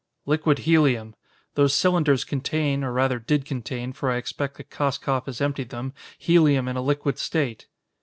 "Liquid helium. Those cylinders contain, or rather did contain, for I expect that Koskoff has emptied them, helium in a liquid state."